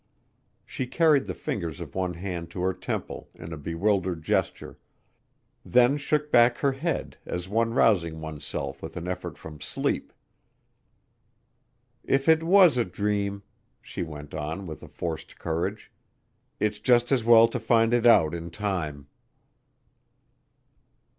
She carried the fingers of one hand to her temple in a bewildered gesture, then shook back her head as one rousing oneself with an effort from sleep. "If it was a dream," she went on with a forced courage, "it's just as well to find it out in time."